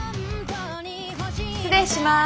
失礼します。